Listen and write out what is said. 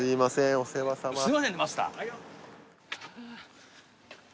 お世話さまです